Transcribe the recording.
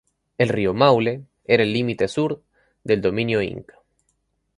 El río Maule era el límite sur del dominio inca.